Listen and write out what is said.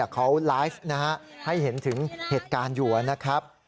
เขาไลฟ์ให้เห็นถึงเหตุการณ์อยู่นะครับ